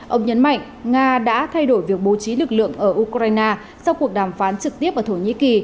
ông nhấn mạnh nga đã thay đổi việc bố trí lực lượng ở ukraine sau cuộc đàm phán trực tiếp ở thổ nhĩ kỳ